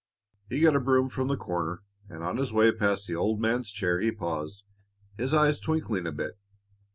He got a broom from the corner, and on his way past the old man's chair he paused, his eyes twinkling a bit.